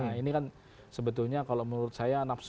nah ini kan sebetulnya kalau menurut saya nafsu